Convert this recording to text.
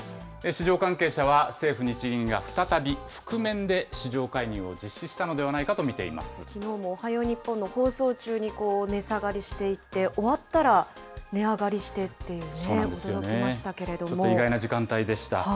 市場関係者は、政府・日銀が再び覆面で市場介入を実施したのではないかと見ていきのうもおはよう日本の放送中に、値下がりしていって、終わったら値上がりしてっていうね、ちょっと意外な時間帯でした。